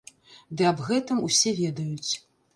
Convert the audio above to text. Ды аб гэтым усе ведаюць.